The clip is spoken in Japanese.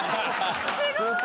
すごい！